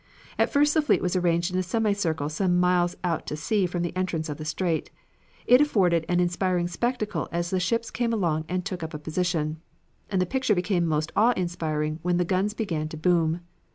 At first the fleet was arranged in a semicircle some miles out to sea from the entrance to the strait. It afforded an inspiring spectacle as the ships came along and took up position, and the picture became most awe inspiring when the guns began to boom.